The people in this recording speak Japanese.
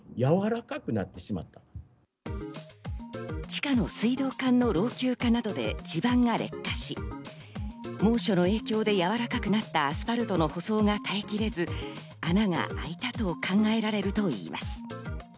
地下の水道管の老朽化などで地盤が劣化し、猛暑の影響でやわらかくなったアスファルトの舗装が耐え切れず、穴が開いたと考えられるといいます。